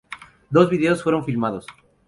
Dos videos fueron filmados.